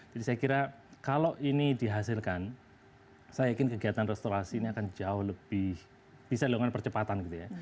jadi saya kira kalau ini dihasilkan saya yakin kegiatan restorasi ini akan berhasil